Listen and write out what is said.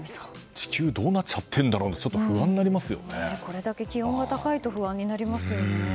地球はどうなっちゃってるんだろうとこれだけ気温が高いと不安になりますよね。